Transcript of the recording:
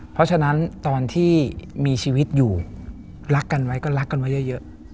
เพราะฉะนั้นตอนที่มีชีวิตอยู่รักกันไว้ก็รักกันไว้เยอะ